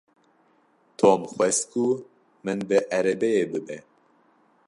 Tom xwest ku min bi erebeyê bibe.